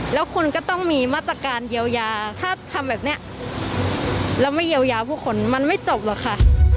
แล้วคุณก็ต้องมีมาตรการเยียวยาถ้าทำแบบนี้แล้วไม่เยียวยาผู้คนมันไม่จบหรอกค่ะ